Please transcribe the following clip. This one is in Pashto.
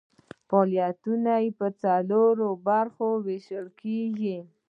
فعالیتونه یې په څلورو برخو ویشل کیږي.